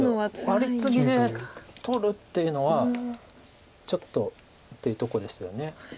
ワリツギで取るっていうのはちょっとっていうとこですよね。